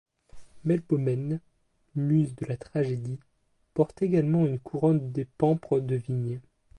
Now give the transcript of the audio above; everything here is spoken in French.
Melpomène, muse de la tragédie, porte également une couronne de pampres de vigne.